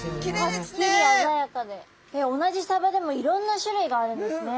同じサバでもいろんな種類があるんですね。